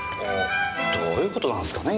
どういう事なんすかね？